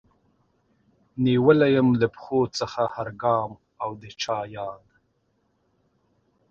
نيولی يم له پښو څخه هر ګام او د چا ياد